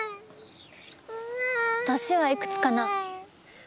年はいくつかな。